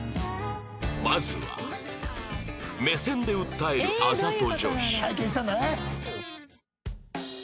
まずは目線で訴えるあざと女子